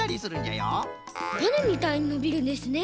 バネみたいにのびるんですねえ。